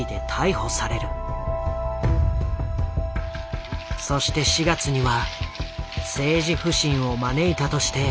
そして４月には政治不信を招いたとして竹下内閣が退陣。